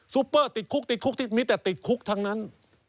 ปเปอร์ติดคุกติดคุกที่มีแต่ติดคุกทั้งนั้น